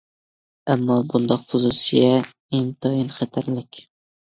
ئەمما بۇنداق پوزىتسىيە ئىنتايىن خەتەرلىك.